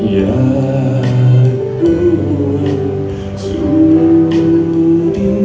อย่ากลัวสู่ดิน